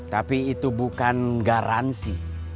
tapi itu bukan garansi